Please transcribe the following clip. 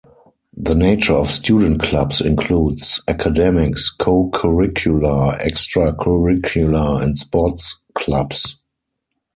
The nature of student clubs includes academics, co-curricular, extra-curricular and sports clubs.